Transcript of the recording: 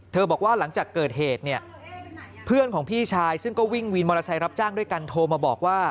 บอกว่าหลังจากเกิดเหตุเนี่ยเพื่อนของพี่ชายซึ่งก็วิ่งวินมอเตอร์ไซค์รับจ้างด้วยกันโทรมาบอกว่า